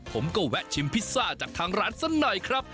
ผมก็แวะชิมพิซซ่าจากทางร้านสักหน่อยครับ